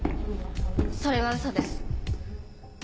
それはウソです。